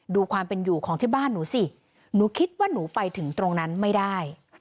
ดูความเป็นอยู่ของที่บ้านหนูสิหนูคิดว่าหนูไปถึงตรงนั้นไม่ได้